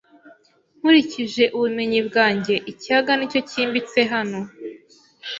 Nkurikije ubumenyi bwanjye, ikiyaga nicyo cyimbitse hano.